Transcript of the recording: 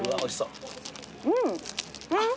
うん！